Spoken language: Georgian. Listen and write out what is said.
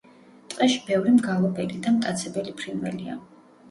ტყეში ბევრი მგალობელი და მტაცებელი ფრინველია.